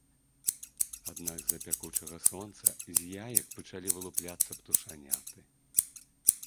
Аднак з-за пякучага сонца з яек пачалі вылупляцца птушаняты.